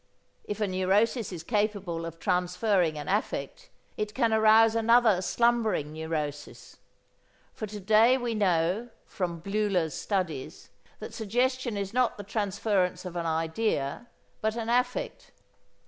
If a neurosis is capable of transferring an affect, it can arouse another, slumbering neurosis. For to day we know, from Bleuler's studies, that suggestion is not the transference of an idea but an affect.